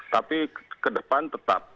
tapi ke depan tetap